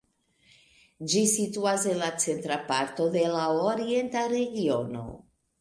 Ĝi situas en la centra parto de la Orienta Regiono.